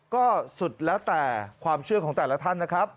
ก็สุดแล้วแต่ความเชื่อของแต่ละท่านนะครับ